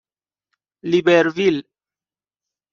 لیبرویل